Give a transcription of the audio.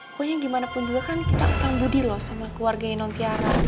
pokoknya gimana pun juga kan kita utang budi loh sama keluarga inon tiara